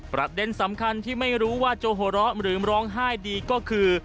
ประเด็นสำคัญที่ไม่รู้ว่าจะหัวเราะหรือร้องไห้ดีก็คือ